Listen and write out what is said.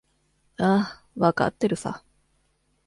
ああ、わかってるさ。